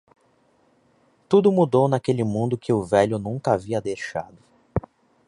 Tudo mudou naquele mundo que o velho nunca havia deixado.